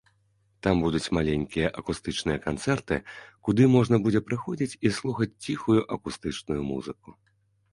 Там будуць маленькія акустычныя канцэрты, куды можна будзе прыходзіць і слухаць ціхую акустычную музыку.